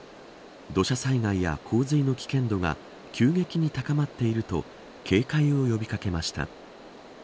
土砂災害や洪水の危険度が急激に高まっていると警戒を呼び掛けました。